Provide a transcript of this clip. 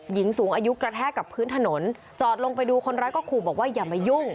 หญิงสูงอายุกระแทกกับพื้นถนนจอดลงไปดูคนร้ายก็ขู่บอกว่าอย่ามายุ่ง